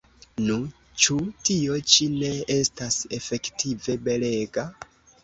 Nu, ĉu tio ĉi ne estas efektive belega?